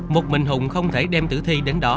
một mình hùng không thể đem tử thi đến đó